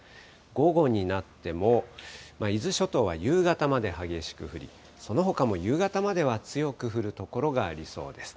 午後になっても、伊豆諸島は夕方まで激しく降り、そのほかも夕方までは強く降る所がありそうです。